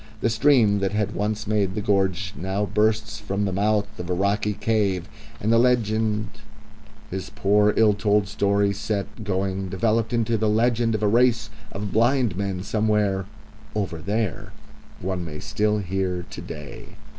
The stream that had once made the gorge now bursts from the mouth of a rocky cave, and the legend his poor, ill told story set going developed into the legend of a race of blind men somewhere "over there" one may still hear to day.